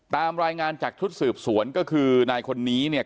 ตามรายงานจากชุดสืบสวนก็คือนายคนนี้เนี่ย